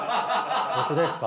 僕ですか？